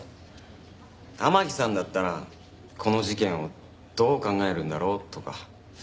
天樹さんだったらこの事件をどう考えるんだろう？とか。